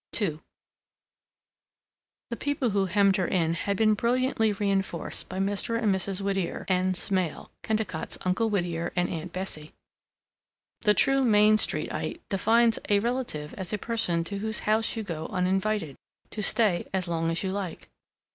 II The people who hemmed her in had been brilliantly reinforced by Mr. and Mrs. Whittier N. Smail Kennicott's Uncle Whittier and Aunt Bessie. The true Main Streetite defines a relative as a person to whose house you go uninvited, to stay as long as you like.